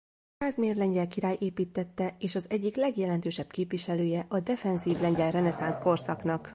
Kázmér lengyel király építtette és az egyik legjelentősebb képviselője a defenzív lengyel reneszánsz korszaknak.